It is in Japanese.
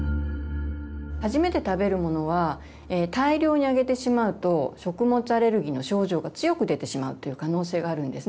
初めて食べるものは大量にあげてしまうと食物アレルギーの症状が強く出てしまうという可能性があるんですね。